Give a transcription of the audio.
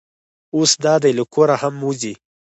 اوس دا دی له کوره هم وځي.